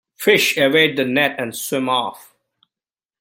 Fish evade the net and swim off.